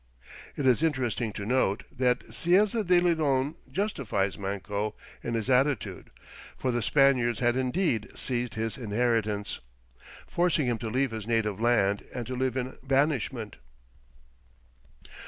It is interesting to note that Cieza de Leon justifies Manco in his attitude, for the Spaniards had indeed "seized his inheritance, forcing him to leave his native land, and to live in banishment."